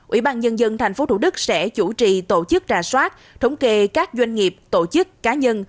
ủy ban nhân dân tp thủ đức sẽ chủ trì tổ chức trà soát thống kê các doanh nghiệp tổ chức cá nhân